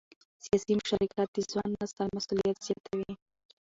سیاسي مشارکت د ځوان نسل مسؤلیت زیاتوي